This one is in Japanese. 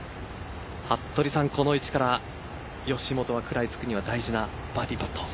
服部さん、この位置から吉本は食らいつくには大事なバーディーパット。